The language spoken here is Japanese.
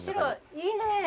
いいね。